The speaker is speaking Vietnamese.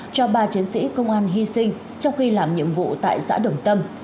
cho ba chiến sĩ công an hy sinh trong khi làm nhiệm vụ tại xã đồng tâm